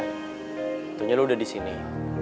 tentunya lo udah di sini